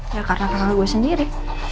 ya karena pengalaman gue sendiri